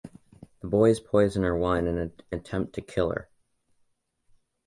The boys poison her wine in an attempt to kill her.